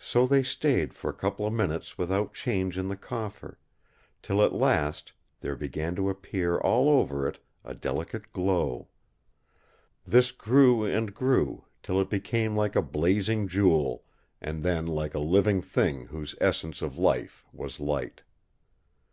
So they stayed for a couple of minutes without change in the coffer; till at last there began to appear all over it a delicate glow. This grew and grew, till it became like a blazing jewel, and then like a living thing whose essence of life was light.